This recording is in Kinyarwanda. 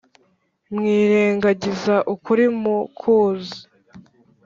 mwirengagiza ukuri mukuzi